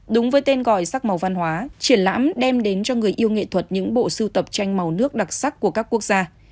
đúng với tên gọi sắc màu văn hóa triển lãm đem đến cho người yêu nghệ thuật những bộ sưu tập tranh màu nước đặc sắc của các quốc gia